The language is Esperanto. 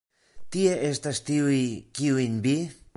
Tie estas tiuj, kiujn vi?